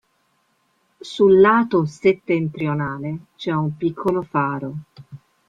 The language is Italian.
Sul lato settentrionale c'è un piccolo faro.